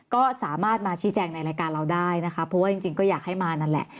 ก็สามารถมาชี้แจงในรายการเราได้นะคะเพราะว่าจริงก็อยากให้มานั่นแหละ